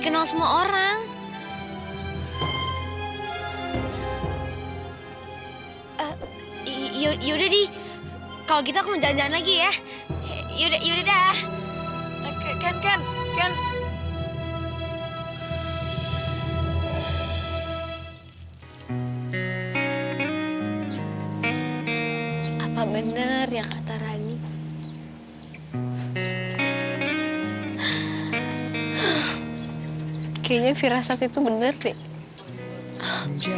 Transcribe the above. kayaknya firasat itu bener deh